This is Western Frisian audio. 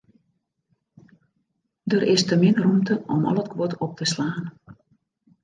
Der is te min rûmte om al it guod op te slaan.